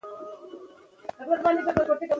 جلګه د افغانستان د ولایاتو په کچه توپیر لري.